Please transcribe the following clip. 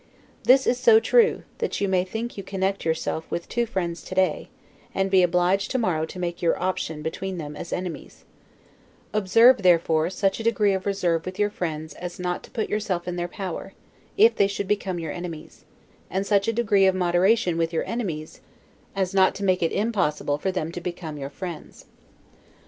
This is so true, that you may think you connect yourself with two friends to day, and be obliged tomorrow to make your option between them as enemies; observe, therefore, such a degree of reserve with your friends as not to put yourself in their power, if they should become your enemies; and such a degree of moderation with your enemies, as not to make it impossible for them to become your friends.